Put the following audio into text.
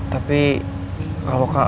tapi kalau kang